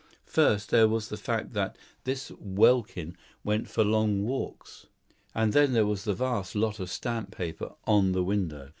First, there was the fact that this Welkin went for long walks. And then there was the vast lot of stamp paper on the window.